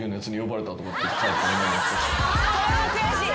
それは悔しい。